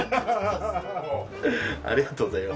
ありがとうございます。